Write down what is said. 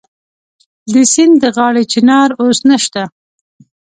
د سیند د غاړې چنار اوس نشته